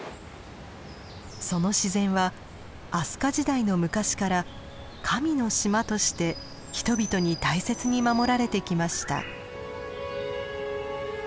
その自然は飛鳥時代の昔から「神の島」として人々に大切に守られてきました。